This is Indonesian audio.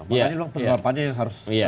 makanya ini memang penerapannya yang harus